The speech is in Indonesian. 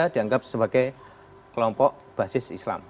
dianggap sebagai kelompok basis islam